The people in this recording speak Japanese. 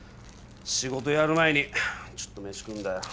仕事やる前にちょっと飯食うんだよ。